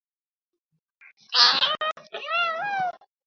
The sacrifice of an innocent person would be revolting to the public sentiment.